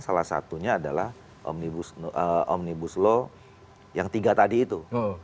salah satunya adalah omnibus law yang tiga tadi itu